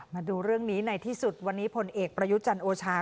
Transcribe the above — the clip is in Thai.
มาดูเรื่องนี้ในที่สุดวันนี้พลเอกประยุจันทร์โอชา